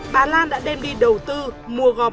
bà lan đã đem đi đầu tư mua gom